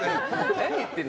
何言ってんの。